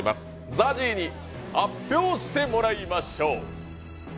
ＺＡＺＹに発表してもらいましょう。